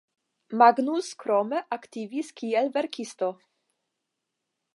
Magnus krome aktivis kiel verkisto.